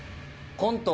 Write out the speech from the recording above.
コント